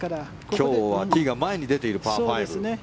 今日はティーが前に出ているパー５。